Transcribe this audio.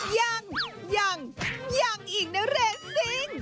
ยังยังยังอีกนะเรสสิ้ง